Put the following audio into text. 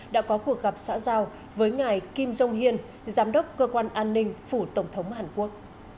đã có cuộc gặp xã giao với ngài kim jong hiên giám đốc cơ quan an ninh phủ tổng thống hàn quốc